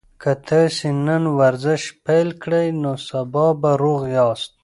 که تاسي نن ورزش پیل کړئ نو سبا به روغ یاست.